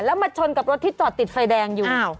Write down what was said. แล้วมาชนกับรถที่จอดติดไฟแดงอยู่